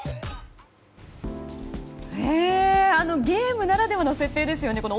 ゲームならではの設定ですよね。